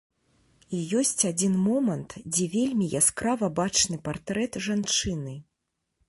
І ёсць адзін момант, дзе вельмі яскрава бачны партрэт жанчыны.